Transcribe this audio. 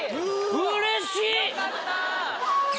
うれしい。